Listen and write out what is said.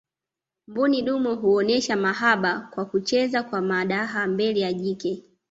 mbuni dume huonesha mahaba kwa kucheza kwa madaha mbele ya jike